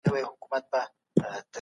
ولي ځینې تړونونه پټ ساتل کیږي؟